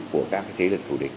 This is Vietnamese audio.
của các cái thế lực thủ địch